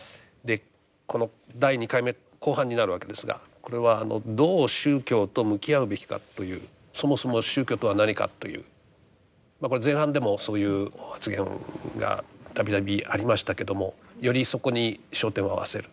この第２回目後半になるわけですが「どう宗教と向き合うべきか」というそもそも宗教とは何かというこれ前半でもそういう発言が度々ありましたけどもよりそこに焦点を合わせる。